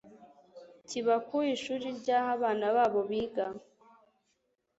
kiba ku ishuri ry aho abana babo biga